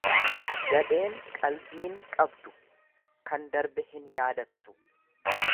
Gadheen qalbiin qabdu kan darbe hin yaadattu